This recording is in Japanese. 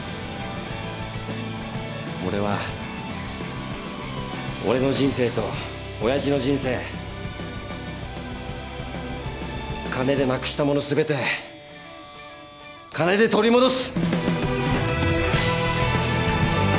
俺は俺の人生とおやじの人生金でなくしたもの全て金で取り戻す。